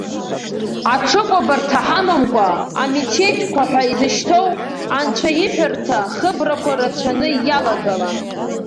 Аҽыкәабарҭа ҳамамқәа, амечетқәа ҳәа изышьҭоу анцәаиҳәарҭа хыбрақәа рацәаны иалагылан.